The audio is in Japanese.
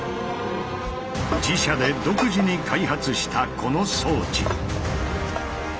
自社で独自に開発したこの装置。